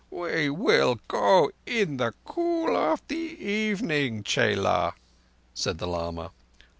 "We will go in the cool of the evening, chela," said the lama.